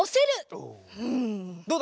おどうだ？